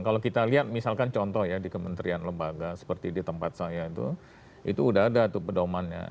kalau kita lihat misalkan contoh ya di kementerian lembaga seperti di tempat saya itu itu udah ada tuh pedomannya